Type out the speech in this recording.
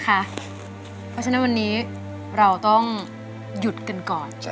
เพราะฉะนั้นวันนี้เราต้องหยุดกันก่อน